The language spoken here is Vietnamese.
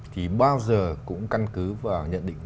thì bao giờ cũng căn cứ vào nhận định